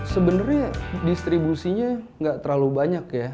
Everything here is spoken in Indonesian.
sebenarnya distribusinya nggak terlalu banyak ya